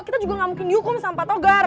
kita juga nggak mungkin dihukum sama pak togar